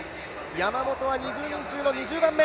山本は２０人中の２０番目。